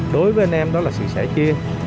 đối với anh em đó là sự sẻ chia